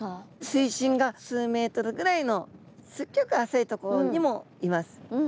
水深が数ｍぐらいのすっギョく浅い所にもいます。